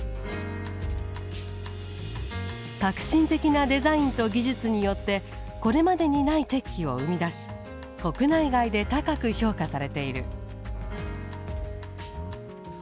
革新的なデザインと技術によってこれまでにない鉄器を生み出し国内外で高く評価されている。